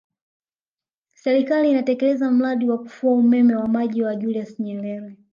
Serikali inatekeleza mradi wa kufua umeme wa maji wa Julius Nyerere